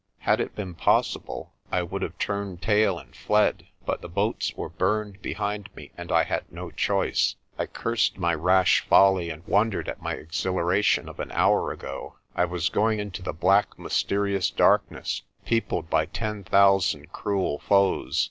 Had it been possible I would have turned tail and fled, but the boats were burned behind me and I had no choice. I cursed my rash folly and won dered at my exhilaration of an hour ago. I was going into the black mysterious darkness, peopled by ten thousand cruel foes.